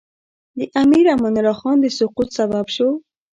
د امیر امان الله خان د سقوط سبب شو.